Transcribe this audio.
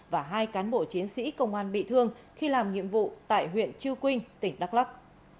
và hai cán bộ chiến sĩ công an bị thương khi làm nhiệm vụ tại huyện chư quynh tỉnh đắk lắc